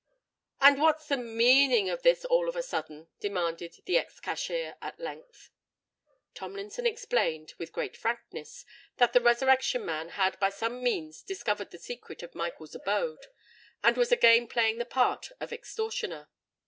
"And what's the meaning of this all of a sudden?" demanded the ex cashier at length. Tomlinson explained, with great frankness, that the Resurrection Man had by some means discovered the secret of Michael's abode, and was again playing the part of an extortioner.